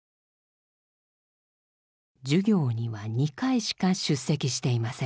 授業には２回しか出席していません。